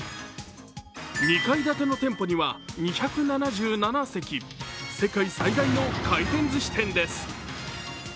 ２階建ての店舗には２７７席、世界最大の回転ずし店です。